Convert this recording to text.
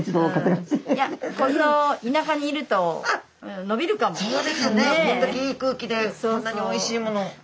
こんだけいい空気でこんなにおいしいもの。